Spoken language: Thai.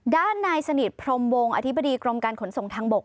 ด้านนายสนิทพรมวงอธิบดีกรมการขนส่งทางบก